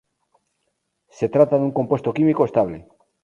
Se trata de un compuesto químico estable.